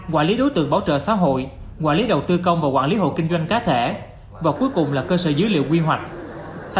quản lý đối tượng bảo trợ xã hội quản lý đầu tư công và quản lý hồ kinh doanh cá thể và cuối cùng là cơ sở dữ liệu quy hoạch